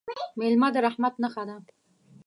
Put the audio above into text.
مېلمه د رحمت نښه ده.